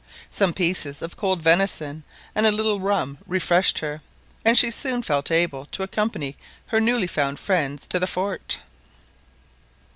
Some pieces of cold venison and a little rum refreshed her, and she soon felt able to accompany her newly found friends to the fort.